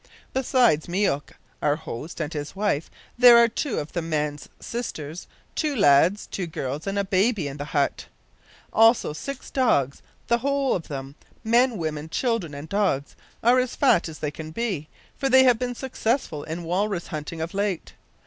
Besides Myouk, our host, and his wife, there are two of the man's sisters, two lads, two girls, and a baby in the hut. Also six dogs. The whole of them men, women, children, and dogs, are as fat as they can be, for they have been successful in walrus hunting of late.